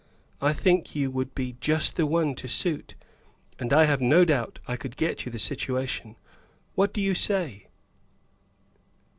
I think you would be just the one to suit; and I have no doubt I could get you the situation. What do you say?"